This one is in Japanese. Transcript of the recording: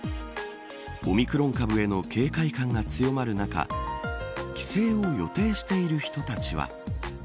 オミクロン株への警戒感が強まる中帰省を予定している人たちは。